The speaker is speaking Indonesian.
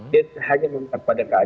dia hanya meminta kepada keadilan